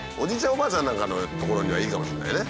おばあちゃんなんかの所にはいいかもしれないね。